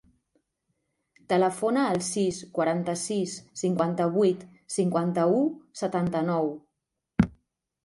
Telefona al sis, quaranta-sis, cinquanta-vuit, cinquanta-u, setanta-nou.